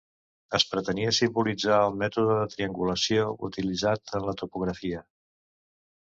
Es pretenia simbolitzar el mètode de triangulació utilitzat en la topografia.